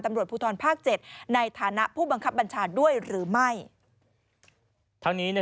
ตำรวจภูทรภาค๗ในฐานะผู้บังคับบัญชาด้วยหรือไม่ทั้งนี้